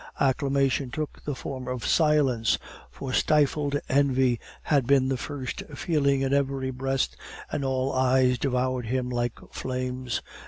Acclamation took the form of silence, for stifled envy had been the first feeling in every breast, and all eyes devoured him like flames.